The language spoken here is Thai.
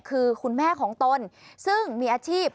คือคุณแม่ของตนซึ่งมีอาชีพ